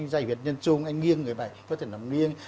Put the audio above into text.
dày huyệt nhân trung anh nghiêng người bệnh có thể làm nghiêng